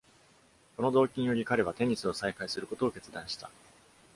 この動機により、彼はテニスを再開することを決断した。